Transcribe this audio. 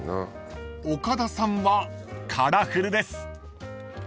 ［岡田さんはカラフルです］